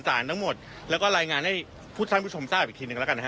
ทั้งหมดแล้วก็รายงานให้ผู้ท่านผู้ชมทราบอีกทีหนึ่งแล้วกันนะฮะ